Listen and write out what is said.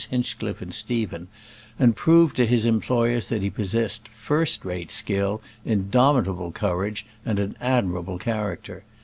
Hinchcliff and Stephen, and 6 proved to his employers that he possess ed first rate skill, indomitable courage and an admirable character.